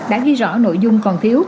đã ghi rõ nội dung còn thiếu